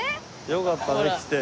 よかったね来て。